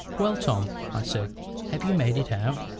"Well, Tom," I said, "have you made it out?"